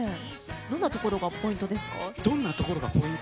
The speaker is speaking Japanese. どんなところがポイントですか。